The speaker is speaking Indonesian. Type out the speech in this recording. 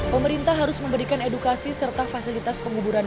pemerintah harus memberikan edukasi serta fasilitas penguburan